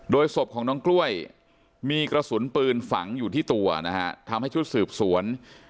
ศพของน้องกล้วยมีกระสุนปืนฝังอยู่ที่ตัวนะฮะทำให้ชุดสืบสวน